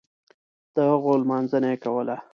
دهغو لمانځنه یې کوله.